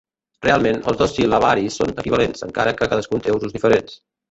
Realment, els dos sil·labaris són equivalents, encara que cadascun té usos diferents.